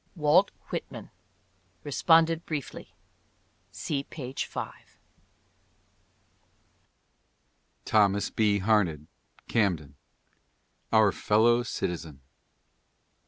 WALT WHITMAN responded briefly : See page 5. THOMAS B. HARNED: Camden. OUR FELLOW CITIZEN.